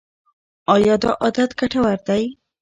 ایا دا عادت ګټور دی؟